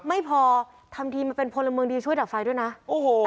ไม่พอทำทีมาเป็นพลเมืองดีช่วยดับไฟด้วยนะโอ้โห